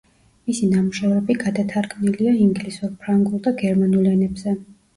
მისი ნამუშევრები გადათარგმნილია ინგლისურ, ფრანგულ და გერმანულ ენებზე.